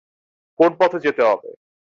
কোন পথে যেতে হবে?